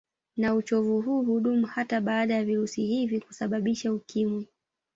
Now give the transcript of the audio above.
Na uchovu huu hudumu hata baada ya virusi hivi kusababisha Ukimwi